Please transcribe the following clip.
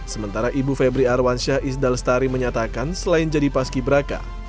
sementara ibu febri arwansyah isdal lestari menyatakan selain jadi paski braka